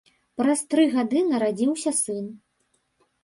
Праз тры гады нарадзіўся сын.